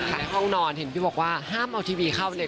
ในห้องนอนเห็นพี่บอกว่าห้ามเอาทีวีเข้าเลย